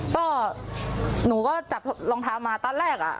ก็หนูก็จับรองเท้ามาตอนแรกอ่ะ